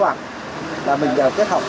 với kinh doanh mình kết hợp với kinh doanh